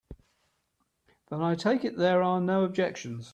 Then I take it there are no objections.